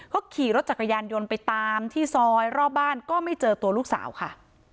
เขาขี่รถจักรยานยนต์ไปตามที่ซอยรอบบ้านก็ไม่เจอตัวลูกสาวค่ะ